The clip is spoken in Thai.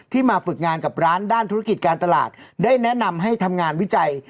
มาฝึกงานกับร้านด้านธุรกิจการตลาดได้แนะนำให้ทำงานวิจัย